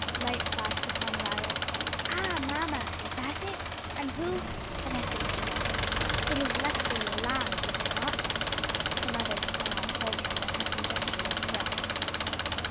Light flashed upon Violet. "Ah mamma, is that it? and who but I think I know. It is Lester Leland, is it not?" Her mother's smile told her that her conjecture was correct.